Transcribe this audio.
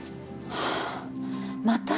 はぁまた？